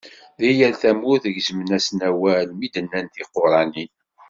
Di yal tamurt gezmen-asen awal mi d-nnan tiquranin.